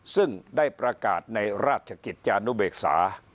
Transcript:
ซึ่งได้ประกาศในราชกิจจานุเบกษา